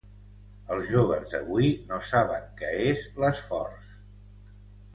Els joves d'avui no saben què és l'esforç.